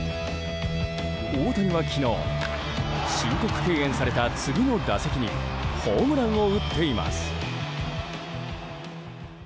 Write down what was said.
大谷は昨日申告敬遠された次の打席にホームランを打っています。